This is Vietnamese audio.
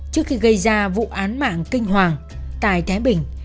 trước khi gây ra vụ án mạng kinh hoàng tại thái bình